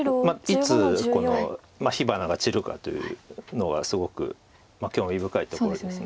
いつ火花が散るかというのがすごく興味深いところです。